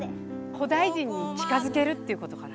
古代人に近づけるっていうことかな？